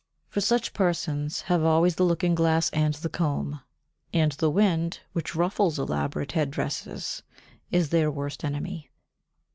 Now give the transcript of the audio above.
For such persons have always the looking glass and the comb, and the wind, which ruffles elaborate headdresses, is their worst enemy.